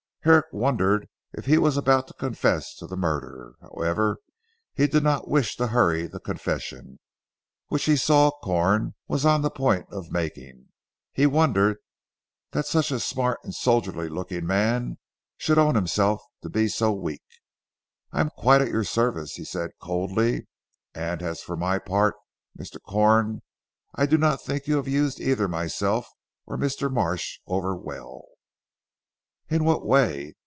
Herrick wondered if he was about to confess to the murder. However he did not wish to hurry the confession, which he saw Corn was on the point of making. He wondered that such a smart and soldierly looking man should own himself to be so weak. "I am quite at your service," he said coldly, "and for my own part Mr. Corn I do not think you have used either myself or Mr. Marsh over well." "In what way?"